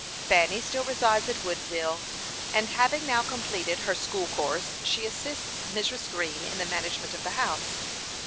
Fanny still resides at Woodville; and having now completed her school course, she assists Mrs. Green in the management of the house.